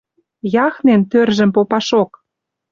Яхнен, тӧржӹм попашок.